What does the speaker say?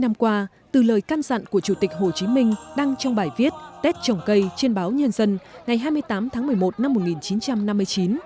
bảy mươi năm qua từ lời can dặn của chủ tịch hồ chí minh đăng trong bài viết tết trồng cây trên báo nhân dân ngày hai mươi tám tháng một mươi một năm một nghìn chín trăm năm mươi chín